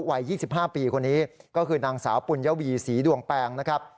วัย๒๕ปีคนนี้ก็คือนางสาวปุญวีศรีดวงแปงนะครับ